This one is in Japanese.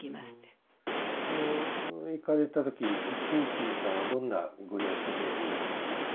行かれた時スーチーさんはどんなご様子でいらっしゃいました？